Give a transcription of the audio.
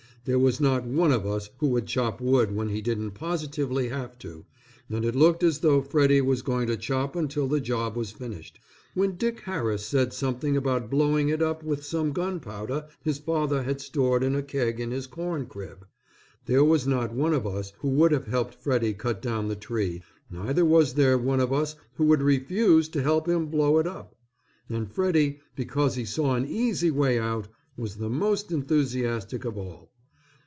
There was not one of us who would chop wood when he didn't positively have to, and it looked as though Freddy was going to chop until the job was finished, when Dick Harris said something about blowing it up with some gunpowder his father had stored in a keg in his corn crib. There was not one of us who would have helped Freddy cut down the tree, neither was there one of us who would refuse to help him blow it up, and Freddy, because he saw an easy way out, was the most enthusiastic of all.